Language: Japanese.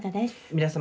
皆様